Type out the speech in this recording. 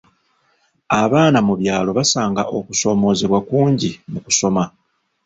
Abaana mu byalo basanga okusoomoozebwa kungi mu kusoma.